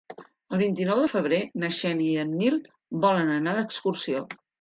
El vint-i-nou de febrer na Xènia i en Nil volen anar d'excursió.